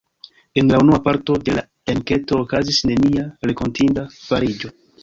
En la unua parto de la enketo okazis nenia rakontinda fariĝo.